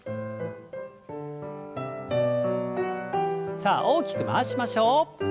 さあ大きく回しましょう。